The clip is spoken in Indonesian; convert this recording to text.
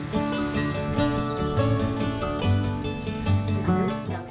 dan dia itu menang